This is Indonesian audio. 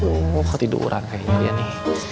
tuh ketiduran kayaknya dia nih